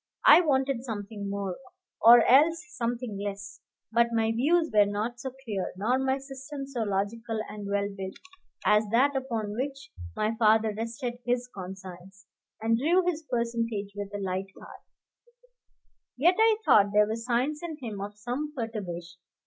I wanted something more, or else something less; but my views were not so clear, nor my system so logical and well built, as that upon which my father rested his conscience, and drew his percentage with a light heart. Yet I thought there were signs in him of some perturbation.